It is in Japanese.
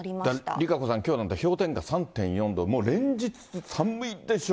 ＲＩＫＡＣＯさん、きょうなんか、氷点下３．４度、もう連日寒いでしょ？